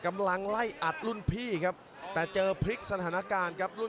พยายามเข้ามาเจอทีมของซ้าย